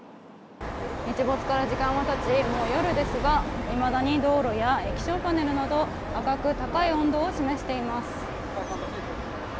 日没から時間がたち、もう夜ですがいまだに道路や液晶パネルなど赤く高い温度を示しています。